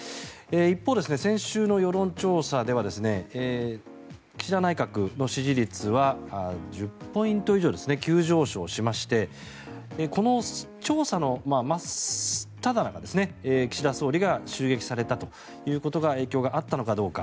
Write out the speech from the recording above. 一方で、先週の世論調査では岸田内閣の支持率は１０ポイント以上急上昇しましてこの調査の真っただ中に岸田総理が襲撃されたということが影響があったのかどうか。